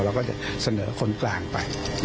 เราก็จะเสนอคนกลางไปนะครับ